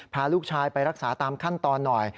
พาลูกชายไปรักษาตามขั้นตอนหน่อย